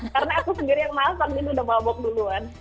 karena aku sendiri yang masak jadi udah mabok duluan